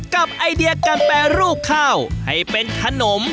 ไอเดียการแปรรูปข้าวให้เป็นขนม